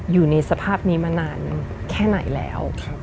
อยู่ในสภาพนี้มานานแค่ไหนแล้ว